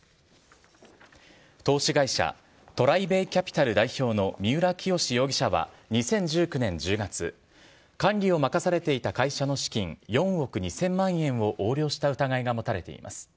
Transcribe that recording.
投資会社、トライベイキャピタル代表の三浦清志容疑者は２０１９年１０月、管理を任されていた会社の資金４億２０００万円を横領した疑いが持たれています。